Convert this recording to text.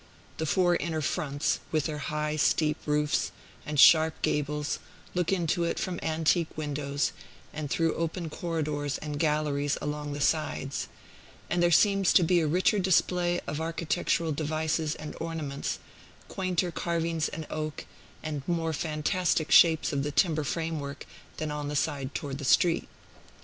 The four inner fronts, with their high, steep roofs and sharp gables, look into it from antique windows, and through open corridors and galleries along the sides; and there seems to be a richer display of architectural devices and ornaments, quainter carvings in oak, and more fantastic shapes of the timber framework, than on the side toward the street.